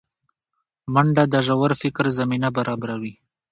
منډه د ژور فکر زمینه برابروي